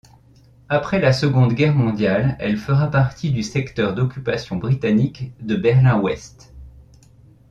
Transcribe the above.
Après la Seconde Guerre mondiale, elle fera partie du secteur d'occupation britannique de Berlin-Ouest.